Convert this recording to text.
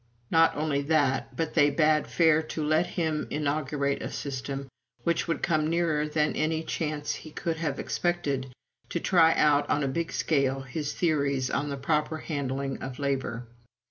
Not only that, but they bade fair to let him inaugurate a system which would come nearer than any chance he could have expected to try out on a big scale his theories on the proper handling of labor.